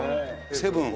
セブンも。